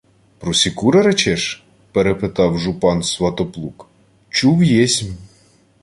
— Про Сікура речеш? — перепитав жупан Сватоплук, — Чув єсмь.